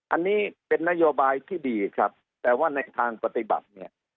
อันนี้เป็นนโยบายที่ดีครับแต่ว่าในทางปฏิบัติเนี่ย